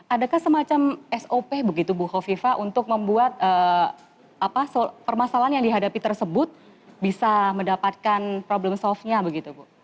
adakah semacam sop begitu bu hovifah untuk membuat permasalahan yang dihadapi tersebut bisa mendapatkan problem solve nya begitu bu